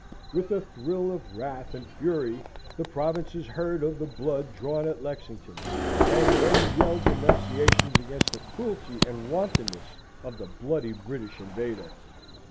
With a thrill of wrath and fury the provinces heard of the blood drawn at Lexington; and men yelled denunciations against the cruelty and wantonness of the bloody British invader.